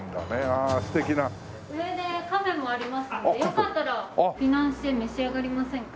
上でカフェもありますのでよかったらフィナンシェ召し上がりませんか？